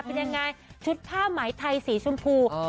เป็นยังไงชุดผ้าไหมไทยสีชมพู